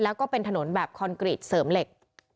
แล้วก็เป็นถนนแบบคอนกรีตเสริมเหล็ก